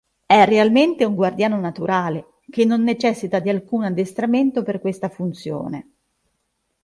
È realmente un guardiano naturale, che non necessita di alcun addestramento per questa funzione.